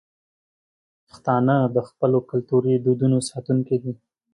پښتانه د خپلو کلتوري دودونو ساتونکي دي.